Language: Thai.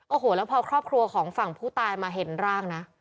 โอ้โหแล้วพอครอบครัวของฝั่งผู้ตายมาเห็นร่างนะ